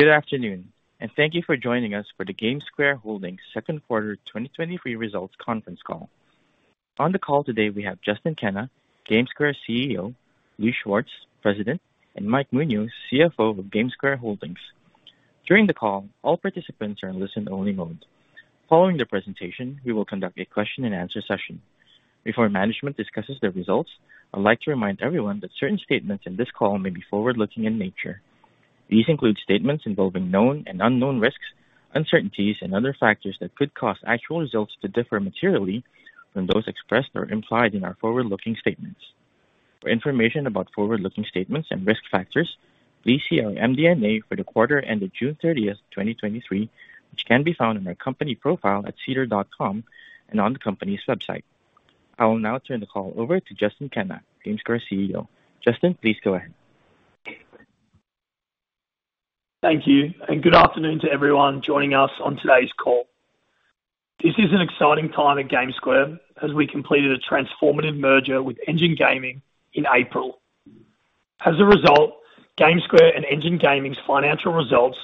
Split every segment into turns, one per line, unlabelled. Good afternoon, thank you for joining us for the GameSquare Holdings Second Quarter 2023 Results Conference Call. On the call today, we have Justin Kenna, GameSquare CEO, Lou Schwartz, President, and Mike Munoz, CFO of GameSquare Holdings. During the call, all participants are in listen only mode. Following the presentation, we will conduct a question and answer session. Before management discusses the results, I'd like to remind everyone that certain statements in this call may be forward-looking in nature. These include statements involving known and unknown risks, uncertainties, and other factors that could cause actual results to differ materially from those expressed or implied in our forward-looking statements. For information about forward-looking statements and risk factors, please see our MD&A for the quarter ended June 30th, 2023, which can be found in our company profile at sedar.com and on the company's website. I will now turn the call over to Justin Kenna, GameSquare's CEO. Justin, please go ahead.
Thank you. Good afternoon to everyone joining us on today's call. This is an exciting time at GameSquare as we completed a transformative merger with Engine Gaming in April. As a result, GameSquare and Engine Gaming's financial results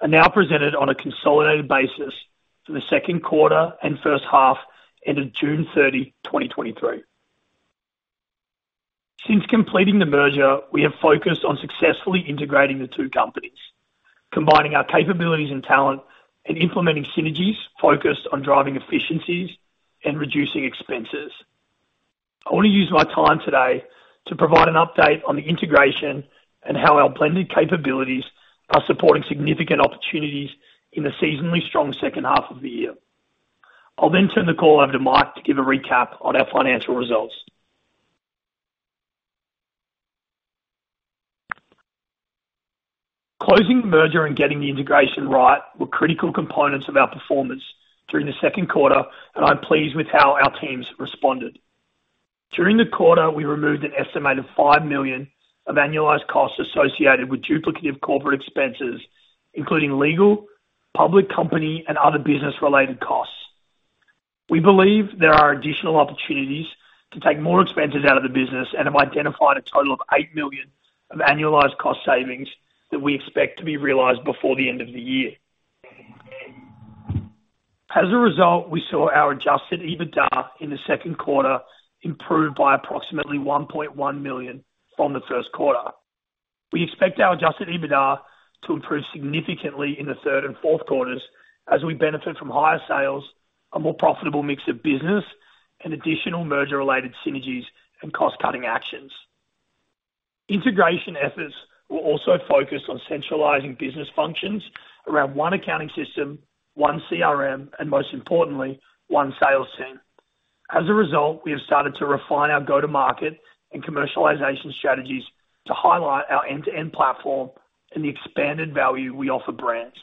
are now presented on a consolidated basis for the second quarter and first half, ended June 30, 2023. Since completing the merger, we have focused on successfully integrating the two companies, combining our capabilities and talent and implementing synergies focused on driving efficiencies and reducing expenses. I want to use my time today to provide an update on the integration and how our blended capabilities are supporting significant opportunities in the seasonally strong second half of the year. I'll turn the call over to Mike to give a recap on our financial results. Closing the merger and getting the integration right were critical components of our performance during the second quarter, and I'm pleased with how our teams responded. During the quarter, we removed an estimated $5 million of annualized costs associated with duplicative corporate expenses, including legal, public company, and other business-related costs. We believe there are additional opportunities to take more expenses out of the business and have identified a total of $8 million of annualized cost savings that we expect to be realized before the end of the year. As a result, we saw our adjusted EBITDA in the second quarter improve by approximately $1.1 million from the first quarter. We expect our adjusted EBITDA to improve significantly in the third and fourth quarters as we benefit from higher sales, a more profitable mix of business, and additional merger-related synergies and cost-cutting actions. Integration efforts will also focus on centralizing business functions around one accounting system, one CRM, and most importantly, one sales team. As a result, we have started to refine our go-to-market and commercialization strategies to highlight our end-to-end platform and the expanded value we offer brands.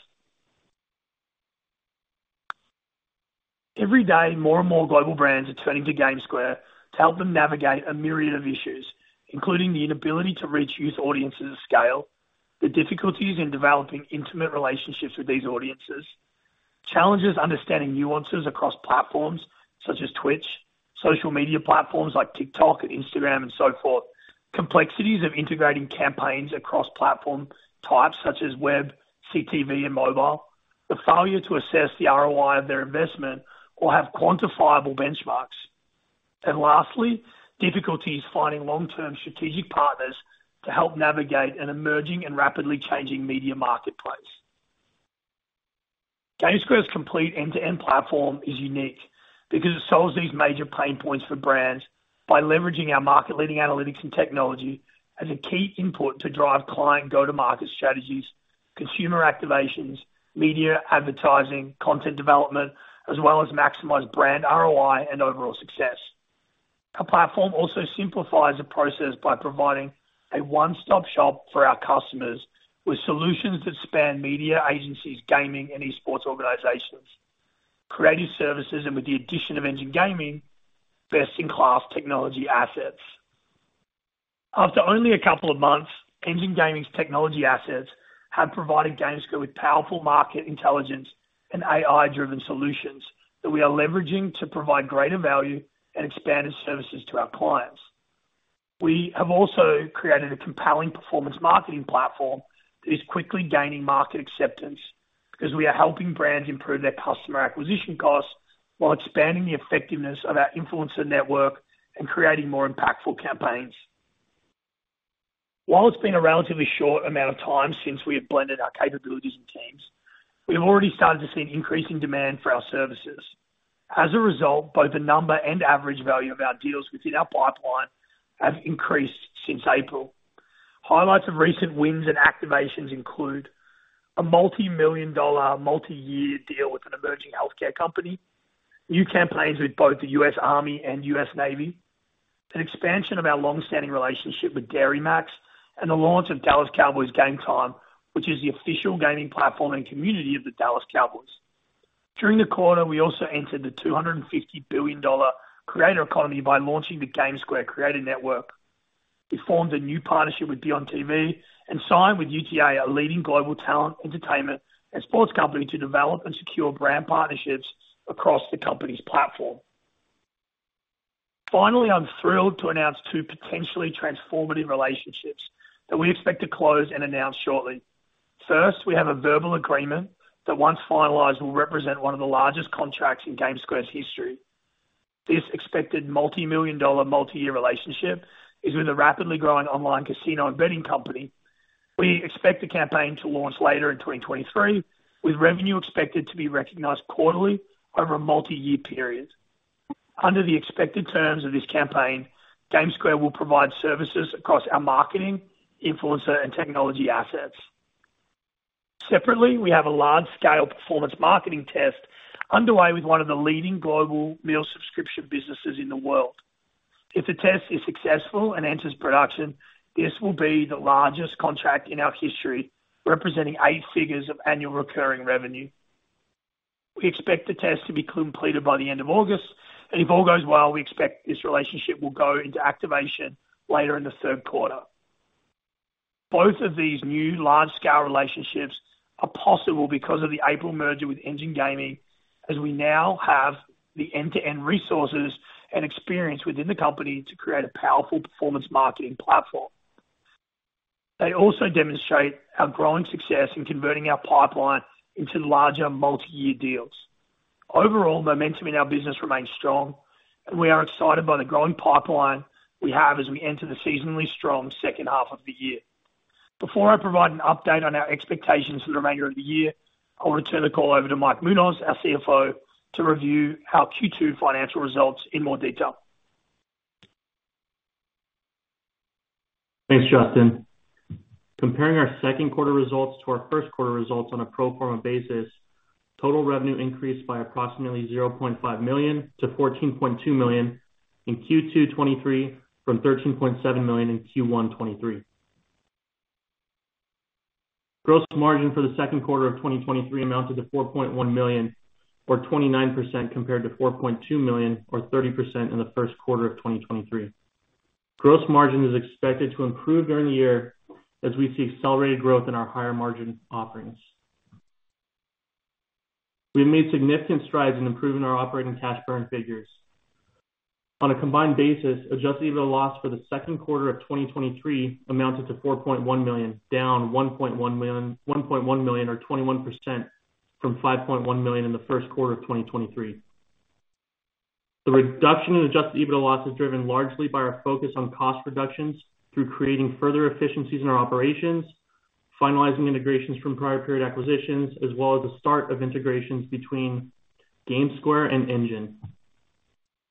Every day, more and more global brands are turning to GameSquare to help them navigate a myriad of issues, including the inability to reach youth audiences at scale, the difficulties in developing intimate relationships with these audiences, challenges understanding nuances across platforms such as Twitch, social media platforms like TikTok and Instagram, and so forth, complexities of integrating campaigns across platform types such as web, CTV, and mobile, the failure to assess the ROI of their investment or have quantifiable benchmarks, lastly, difficulties finding long-term strategic partners to help navigate an emerging and rapidly changing media marketplace. GameSquare's complete end-to-end platform is unique because it solves these major pain points for brands by leveraging our market-leading analytics and technology as a key input to drive client go-to-market strategies, consumer activations, media advertising, content development, as well as maximize brand ROI and overall success. Our platform also simplifies the process by providing a one-stop shop for our customers with solutions that span media agencies, gaming, and e-sports organizations, creative services, and with the addition of Engine Gaming, best-in-class technology assets. After only a couple of months, Engine Gaming's technology assets have provided GameSquare with powerful market intelligence and AI-driven solutions that we are leveraging to provide greater value and expanded services to our clients. We have also created a compelling performance marketing platform that is quickly gaining market acceptance because we are helping brands improve their customer acquisition costs while expanding the effectiveness of our influencer network and creating more impactful campaigns. While it's been a relatively short amount of time since we have blended our capabilities and teams, we have already started to see an increasing demand for our services. As a result, both the number and average value of our deals within our pipeline have increased since April. Highlights of recent wins and activations include a multimillion-dollar, multi-year deal with an emerging healthcare company, new campaigns with both the U.S. Army and U.S. Navy, an expansion of our long-standing relationship with Dairy MAX, and the launch of Dallas Cowboys Game Time, which is the official gaming platform and community of the Dallas Cowboys. During the quarter, we also entered the $250 billion creator economy by launching the GameSquare Creator Network. We formed a new partnership with BEONDTV and signed with UTA, a leading global talent, entertainment, and sports company, to develop and secure brand partnerships across the company's platform. Finally, I'm thrilled to announce two potentially transformative relationships that we expect to close and announce shortly. First, we have a verbal agreement that, once finalized, will represent one of the largest contracts in GameSquare's history. This expected multimillion-dollar, multi-year relationship is with a rapidly growing online casino and betting company. We expect the campaign to launch later in 2023, with revenue expected to be recognized quarterly over a multi-year period. Under the expected terms of this campaign, GameSquare will provide services across our marketing, influencer, and technology assets. Separately, we have a large-scale performance marketing test underway with one of the leading global meal subscription businesses in the world. If the test is successful and enters production, this will be the largest contract in our history, representing $8 figures of annual recurring revenue. We expect the test to be completed by the end of August, and if all goes well, we expect this relationship will go into activation later in Q3. Both of these new large-scale relationships are possible because of the April merger with Engine Gaming, as we now have the end-to-end resources and experience within the company to create a powerful performance marketing platform. They also demonstrate our growing success in converting our pipeline into larger multi-year deals. Overall, momentum in our business remains strong, and we are excited by the growing pipeline we have as we enter the seasonally strong second half of the year. Before I provide an update on our expectations for the remainder of the year, I'll return the call over to Mike Munoz, our CFO, to review our Q2 financial results in more detail.
Thanks, Justin. Comparing our second quarter results to our first quarter results on a pro forma basis, total revenue increased by approximately $0.5 million to $14.2 million in Q2 2023, from $13.7 million in Q1 2023. Gross margin for the second quarter of 2023 amounted to $4.1 million, or 29% compared to $4.2 million, or 30% in the first quarter of 2023. Gross margin is expected to improve during the year as we see accelerated growth in our higher margin offerings. We've made significant strides in improving our operating cash burn figures. On a combined basis, adjusted EBITDA loss for the second quarter of 2023 amounted to $4.1 million, down $1.1 million, $1.1 million or 21%, from $5.1 million in the first quarter of 2023. The reduction in adjusted EBITDA loss is driven largely by our focus on cost reductions through creating further efficiencies in our operations, finalizing integrations from prior period acquisitions, as well as the start of integrations between GameSquare and Engine.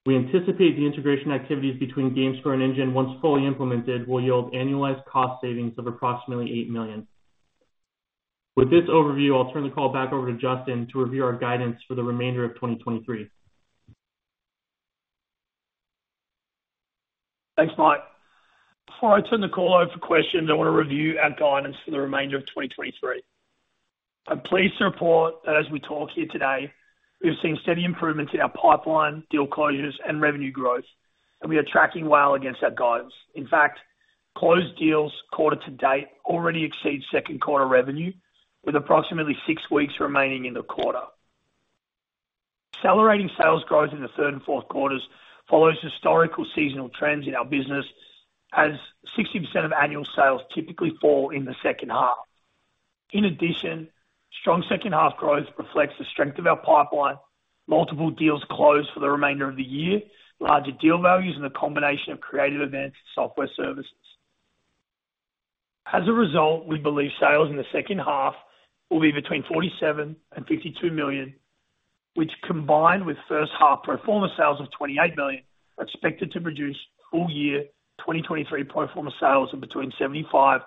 We anticipate the integration activities between GameSquare and Engine, once fully implemented, will yield annualized cost savings of approximately $8 million. With this overview, I'll turn the call back over to Justin to review our guidance for the remainder of 2023.
Thanks, Mike. Before I turn the call over for questions, I want to review our guidance for the remainder of 2023. I'm pleased to report that as we talk here today, we've seen steady improvements in our pipeline, deal closures, and revenue growth, and we are tracking well against our guidance. In fact, closed deals quarter to date already exceed second quarter revenue, with approximately six weeks remaining in the quarter. Accelerating sales growth in the third and fourth quarters follows historical seasonal trends in our business, as 60% of annual sales typically fall in the second half. In addition, strong second half growth reflects the strength of our pipeline, multiple deals closed for the remainder of the year, larger deal values, and the combination of creative events and software services. As a result, we believe sales in the second half will be between $47 million and $52 million, which, combined with first half pro forma sales of $28 million, are expected to produce full year 2023 pro forma sales of between $75 million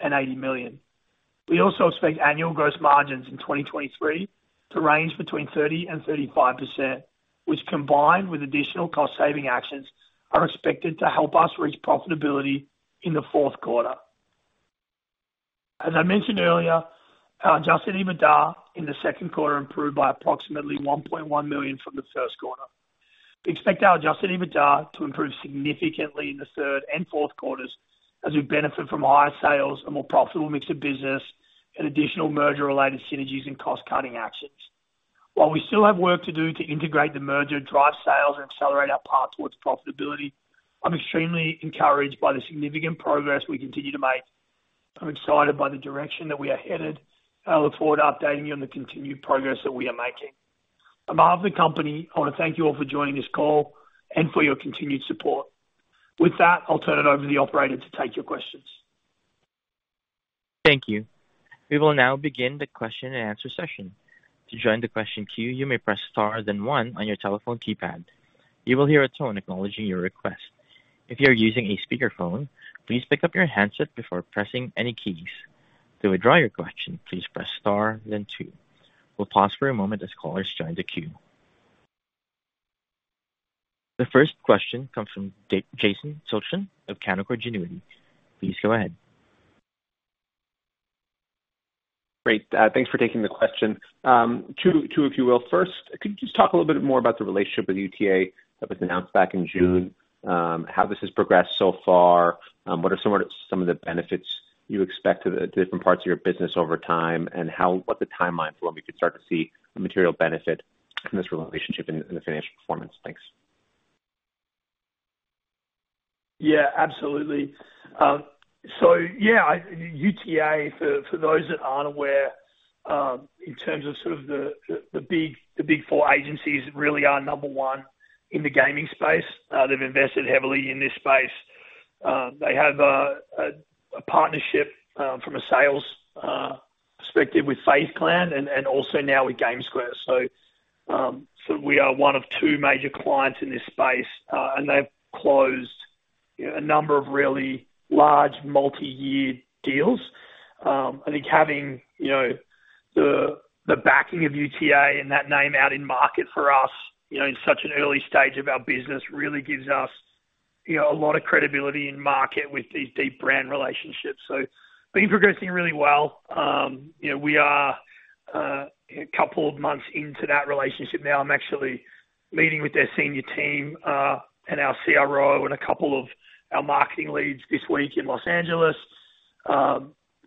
and $80 million. We also expect annual gross margins in 2023 to range between 30%-35%, which, combined with additional cost saving actions, are expected to help us reach profitability in the fourth quarter. As I mentioned earlier, our adjusted EBITDA in the second quarter improved by approximately $1.1 million from the first quarter. We expect our adjusted EBITDA to improve significantly in the third and fourth quarters as we benefit from higher sales, a more profitable mix of business, and additional merger-related synergies and cost-cutting actions. While we still have work to do to integrate the merger, drive sales, and accelerate our path towards profitability, I'm extremely encouraged by the significant progress we continue to make. I'm excited by the direction that we are headed, and I look forward to updating you on the continued progress that we are making. On behalf of the company, I want to thank you all for joining this call and for your continued support. With that, I'll turn it over to the operator to take your questions.
Thank you. We will now begin the question-and-answer session. To join the question queue, you may press star then one on your telephone keypad. You will hear a tone acknowledging your request. If you are using a speakerphone, please pick up your handset before pressing any keys. To withdraw your question, please press star then two. We'll pause for a moment as callers join the queue. The first question comes from Jason Tilchen of Canaccord Genuity. Please go ahead.
Great, thanks for taking the question. Two, two, if you will. First, could you just talk a little bit more about the relationship with UTA that was announced back in June, how this has progressed so far? What are some of the benefits you expect the different parts of your business over time, and what the timeline for when we could start to see a material benefit from this relationship in the financial performance? Thanks.
Yeah, absolutely. Yeah, I, UTA, for, for those that aren't aware, in terms of sort of the, the, the big, the big four agencies really are number one in the gaming space. They've invested heavily in this space. They have a, a, a partnership, from a sales, perspective with FaZe Clan and, and also now with GameSquare. We are one of two major clients in this space, and they've closed, you know, a number of really large multi-year deals. I think having, you know, the, the backing of UTA and that name out in market for us, you know, in such an early stage of our business, really gives us, you know, a lot of credibility in market with these deep brand relationships. Things are progressing really well. You know, we are couple months into that relationship now. I'm actually meeting with their senior team and our CRO and a couple of our marketing leads this week in Los Angeles.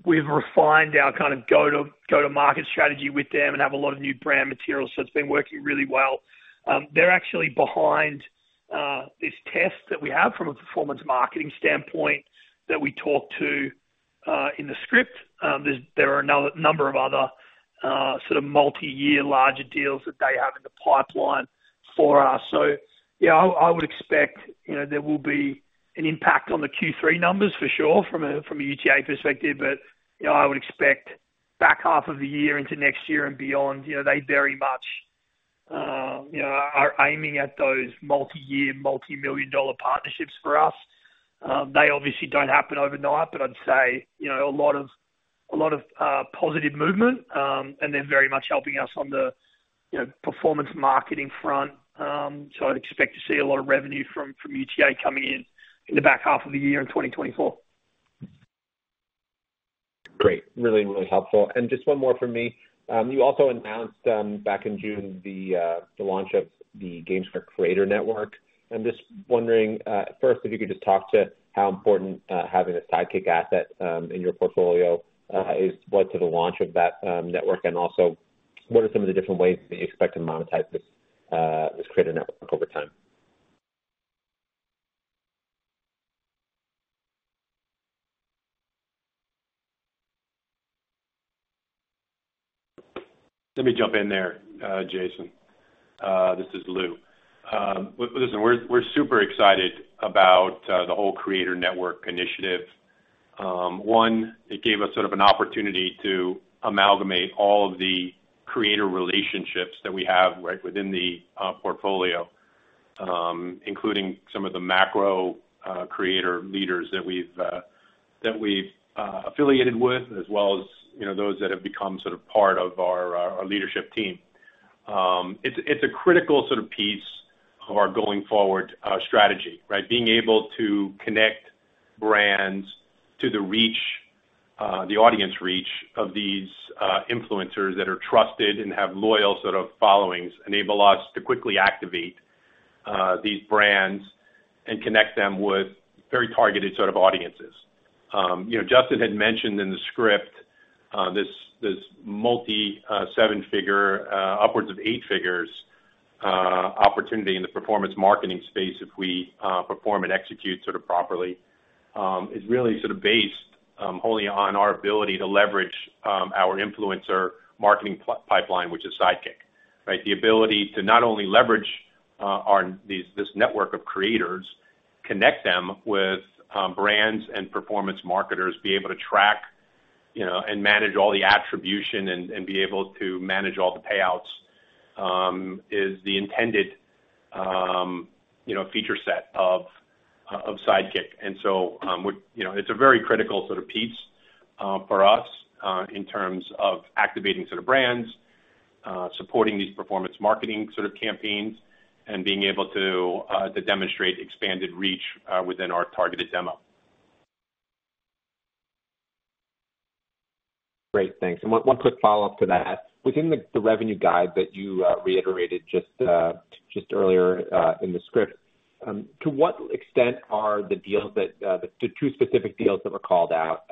We've refined our kind of go-to-market strategy with them and have a lot of new brand materials, so it's been working really well. They're actually behind this test that we have from a performance marketing standpoint that we talked to in the script. There's, there are a number of other sort of multi-year larger deals that they have in the pipeline for us. Yeah, I, I would expect, you know, there will be an impact on the Q3 numbers for sure from a, from a UTA perspective, but, you know, I would expect back half of the year into next year and beyond. You know, they very much, you know, are aiming at those multi-year, multimillion-dollar partnerships for us. They obviously don't happen overnight, but I'd say, you know, a lot of, a lot of positive movement, and they're very much helping us on the, you know, performance marketing front. I'd expect to see a lot of revenue from, from UTA coming in in the back half of the year in 2024.
Great. Really, really helpful. Just one more from me. You also announced back in June, the launch of the GameSquare Creator Network. I'm just wondering, first, if you could just talk to how important having a Sideqik asset in your portfolio is led to the launch of that network, and also what are some of the different ways that you expect to monetize this Creator Network over time?
Let me jump in there, Jason. This is Lou. Listen, we're, we're super excited about the whole Creator Network initiative. One, it gave us sort of an opportunity to amalgamate all of the creator relationships that we have right within the portfolio, including some of the macro creator leaders that we've that we've affiliated with, as well as, you know, those that have become sort of part of our leadership team. It's, it's a critical sort of piece of our going forward strategy, right? Being able to connect brands to the reach, the audience reach of these influencers that are trusted and have loyal sort of followings, enable us to quickly activate these brands and connect them with very targeted sort of audiences. you know, Justin had mentioned in the script, this, this multi, $7 figure, upwards of $8 figures, opportunity in the performance marketing space if we perform and execute sort of properly, is really sort of based only on our ability to leverage our influencer marketing pipeline, which is Sideqik, right? The ability to not only leverage our, these, this network of creators, connect them with brands and performance marketers, be able to track, you know, and manage all the attribution and be able to manage all the payouts is the intended, you know, feature set of Sideqik. You know, it's a very critical sort of piece for us in terms of activating sort of brands, supporting these performance marketing sort of campaigns and being able to demonstrate expanded reach within our targeted demo.
Great, thanks. one, one quick follow-up to that. Within the, the revenue guide that you reiterated just just earlier in the script, to what extent are the deals that the 2 specific deals that were called out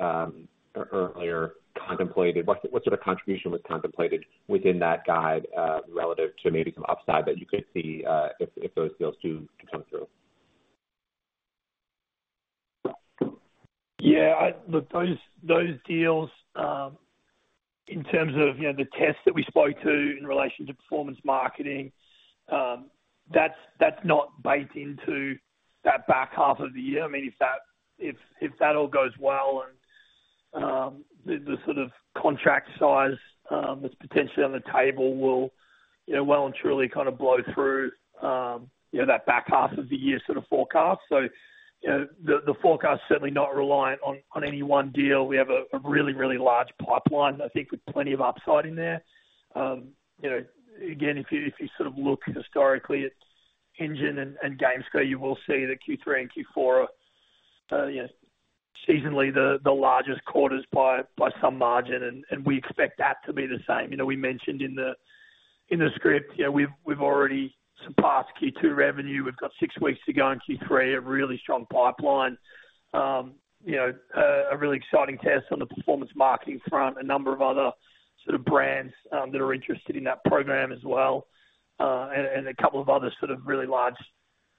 earlier, contemplated? What, what sort of contribution was contemplated within that guide, relative to maybe some upside that you could see, if, if those deals do come through?
Yeah, I- look, those, those deals, in terms of, you know, the tests that we spoke to in relation to performance marketing, that's, that's not baked into that back half of the year. I mean, if that, if, if that all goes well and the, the sort of contract size that's potentially on the table will, you know, well and truly kind of blow through, you know, that back half of the year sort of forecast. You know, the, the forecast is certainly not reliant on, on any one deal. We have a, a really, really large pipeline, I think, with plenty of upside in there. You know, again, if you, if you sort of look historically at Engine and GameSquare, you will see that Q3 and Q4 are, you know, seasonally the, the largest quarters by, by some margin. We expect that to be the same. You know, we mentioned in the script, you know, we've, we've already surpassed Q2 revenue. We've got six weeks to go in Q3, a really strong pipeline. You know, a really exciting test on the performance marketing front, a number of other sort of brands that are interested in that program as well, and a couple of other sort of really large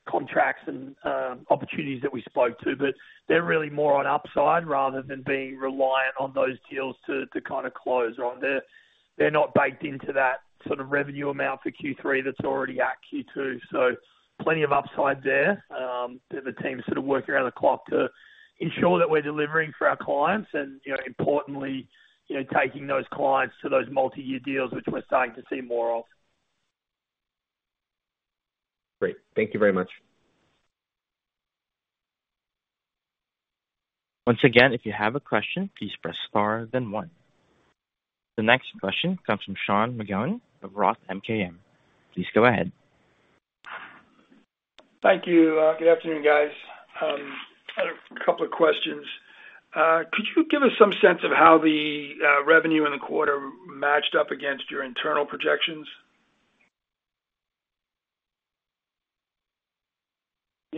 contracts and opportunities that we spoke to. They're really more on upside rather than being reliant on those deals to, to kind of close on. They're, they're not baked into that sort of revenue amount for Q3 that's already at Q2. Plenty of upside there, that the team is sort of working around the clock to ensure that we're delivering for our clients and, you know, importantly, you know, taking those clients to those multi-year deals, which we're starting to see more of.
Great. Thank you very much.
Once again, if you have a question, please press star then one. The next question comes from Sean McGowan of Roth MKM. Please go ahead.
Thank you. Good afternoon, guys. I had a couple of questions. Could you give us some sense of how the revenue in the quarter matched up against your internal projections?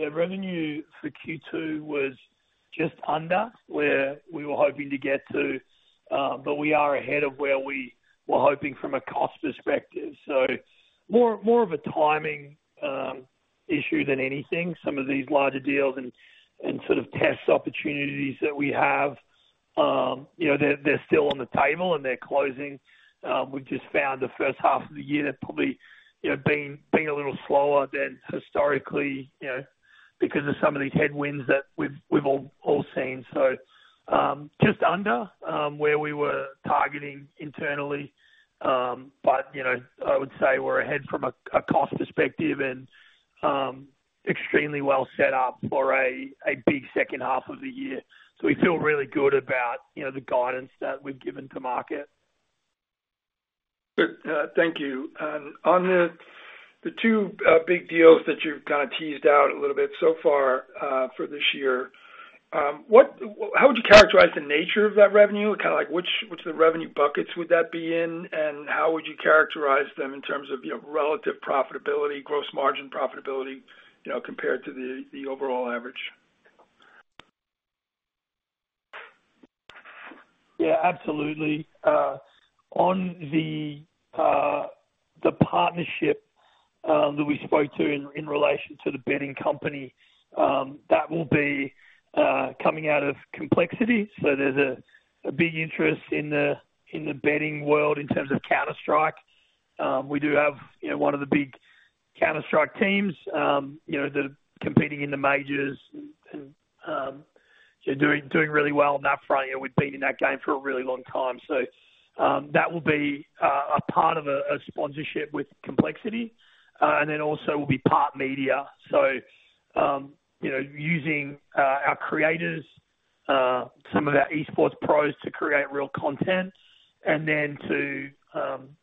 Revenue for Q2 was just under where we were hoping to get to, but we are ahead of where we were hoping from a cost perspective. More, more of a timing issue than anything. Some of these larger deals and, and sort of test opportunities that we have, you know, they're, they're still on the table and they're closing. We've just found the first half of the year probably, you know, being, being a little slower than historically, you know, because of some of these headwinds that we've, we've all, all seen. Just under where we were targeting internally. You know, I would say we're ahead from a, a cost perspective and extremely well set up for a, a big second half of the year. We feel really good about, you know, the guidance that we've given to market.
Good. Thank you. On the, the two big deals that you've kind of teased out a little bit so far, for this year, how would you characterize the nature of that revenue? Kind of like, which, which of the revenue buckets would that be in, and how would you characterize them in terms of, you know, relative profitability, gross margin profitability, you know, compared to the, the overall average?
Yeah, absolutely. On the partnership that we spoke to in relation to the betting company, that will be coming out of Complexity. There's a big interest in the betting world in terms of Counter-Strike. We do have, you know, one of the big Counter-Strike teams, you know, that are competing in the majors and doing really well on that front. You know, we've been in that game for a really long time. That will be a part of a sponsorship with Complexity, and then also will be part media. Using our creators, some of our esports pros to create real content and then to,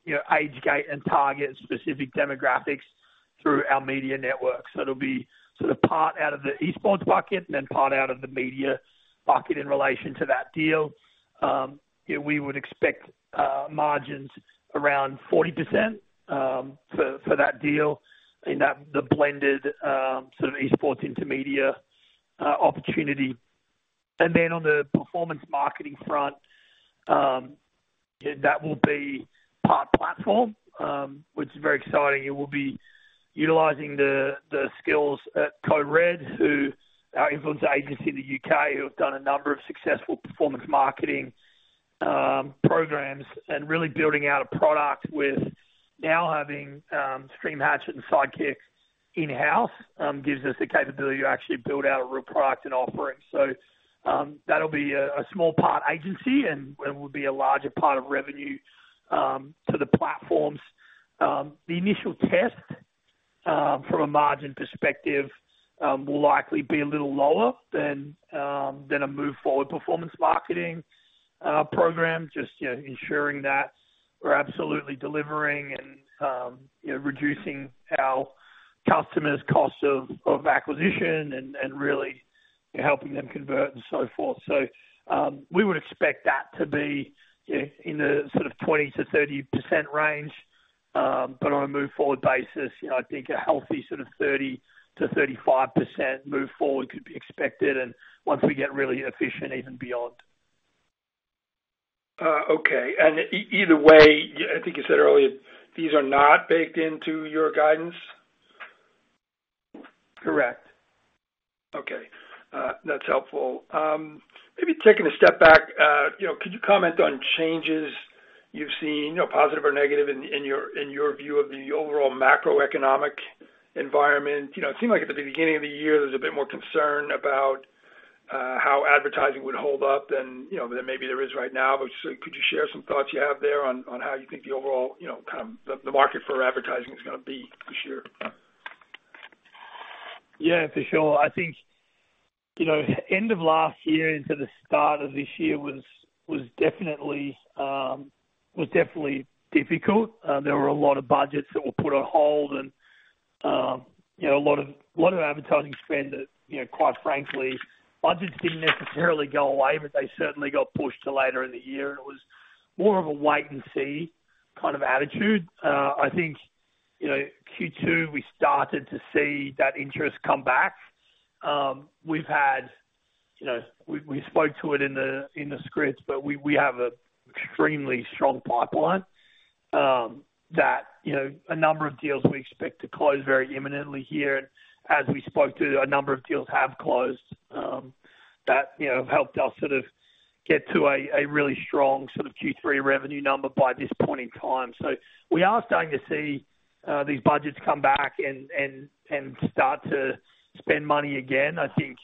you know, age, gate, and target specific demographics through our media network. It'll be sort of part out of the esports bucket and then part out of the media bucket in relation to that deal. Yeah, we would expect margins around 40% for that deal in that the blended sort of esports into media opportunity. Then on the performance marketing front, that will be part platform, which is very exciting. It will be utilizing the skills at Code Red, who our influence agency in the U.K., who have done a number of successful performance marketing programs and really building out a product with now having Stream Hatchet and Sideqik in-house gives us the capability to actually build out a real product and offering. That'll be a small part agency and will be a larger part of revenue to the platforms. The initial test, from a margin perspective, will likely be a little lower than, than a move forward performance marketing program. Just, you know, ensuring that we're absolutely delivering and, you know, reducing our customers' cost of, of acquisition and, and really helping them convert and so forth. We would expect that to be, you know, in the sort of 20%-30% range, but on a move forward basis, you know, I think a healthy sort of 30%-35% move forward could be expected, and once we get really efficient, even beyond.
Okay. Either way, I think you said earlier, these are not baked into your guidance?
Correct.
Okay, that's helpful. Maybe taking a step back, you know, could you comment on changes you've seen, you know, positive or negative in your view of the overall macroeconomic environment? You know, it seemed like at the beginning of the year, there was a bit more concern about how advertising would hold up than, you know, than maybe there is right now. Could you share some thoughts you have there on how you think the overall, you know, kind of the market for advertising is gonna be this year?
Yeah, for sure. I think, you know, end of last year into the start of this year was, was definitely, was definitely difficult. There were a lot of budgets that were put on hold, you know, a lot of, a lot of advertising spend that, you know, quite frankly, budgets didn't necessarily go away, but they certainly got pushed to later in the year, and it was more of a wait and see kind of attitude. I think, you know, Q2, we started to see that interest come back. We've had, you know, we, we spoke to it in the, in the scripts, but we, we have a extremely strong pipeline, that, you know, a number of deals we expect to close very imminently here. As we spoke to, a number of deals have closed, that, you know, helped us sort of get to a really strong sort of Q3 revenue number by this point in time. We are starting to see these budgets come back and, and, and start to spend money again. I think,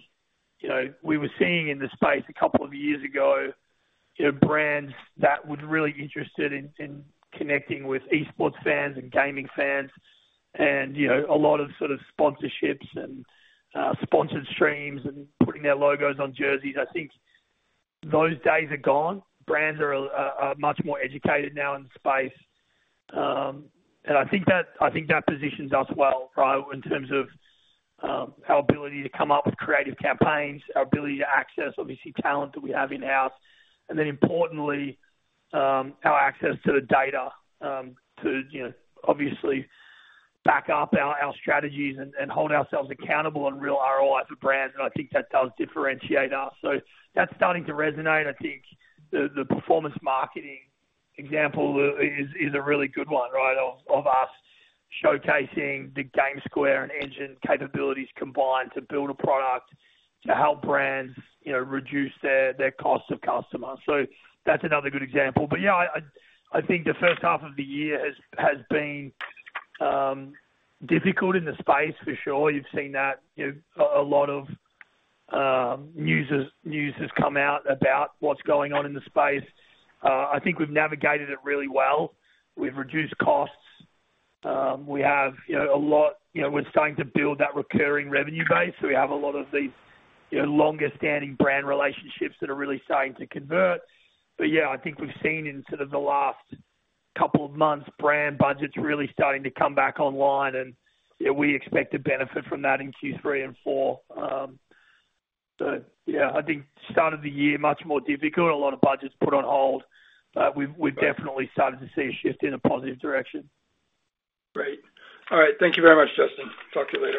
you know, we were seeing in the space a couple of years ago, you know, brands that were really interested in, in connecting with esports fans and gaming fans and, you know, a lot of sort of sponsorships and sponsored streams and putting their logos on jerseys. I think those days are gone. Brands are much more educated now in the space. And I think that, I think that positions us well, right, in terms of, our ability to come up with creative campaigns, our ability to access obvious talent that we have in-house, and then importantly, our access to the data, to, you know, obviously back up our, our strategies and, and hold ourselves accountable on real ROI for brands, and I think that does differentiate us. That's starting to resonate. I think the, the performance marketing example is, is a really good one, right? Of, of us showcasing the GameSquare and Engine capabilities combined to build a product to help brands, you know, reduce their, their cost of customer. That's another good example. Yeah, I, I, I think the first half of the year has, has been, difficult in the space for sure. You've seen that, you know, a lot of news has come out about what's going on in the space. I think we've navigated it really well. We've reduced costs. We have, you know, a lot. You know, we're starting to build that recurring revenue base. We have a lot of these, you know, longer standing brand relationships that are really starting to convert. Yeah, I think we've seen in sort of the last couple of months, brand budgets really starting to come back online, and, yeah, we expect to benefit from that in Q3 and Q4. Yeah, I think start of the year, much more difficult. A lot of budgets put on hold, but we've, we've definitely started to see a shift in a positive direction.
Great. All right. Thank you very much, Justin. Talk to you later.